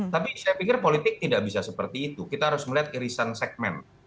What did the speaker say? tapi saya pikir politik tidak bisa seperti itu kita harus melihat irisan segmen